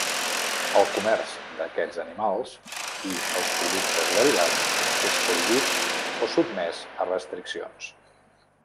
El comerç d'aquests animals, i els productes derivats, és prohibit o sotmès a restriccions.